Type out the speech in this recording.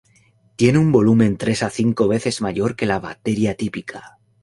Tiene un volumen tres a cinco veces mayor que la bacteria típica.